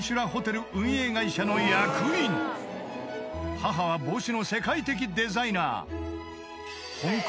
［母は帽子の世界的デザイナー］